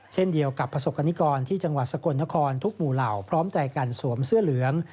เช่นเดียวกับประสบกรณิกรที่จังหวัดสกลนครทุกหมู่เหล่าพร้อมใจกันสวมเสื้อเหลือง